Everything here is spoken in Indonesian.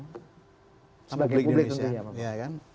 sebagian publik tentunya